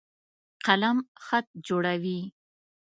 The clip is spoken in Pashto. قلم خط جوړوي.